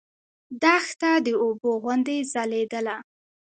دښته د اوبو غوندې ځلېدله.